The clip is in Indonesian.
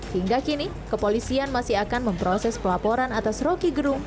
hingga kini kepolisian masih akan memproses pelaporan atas rocky gerung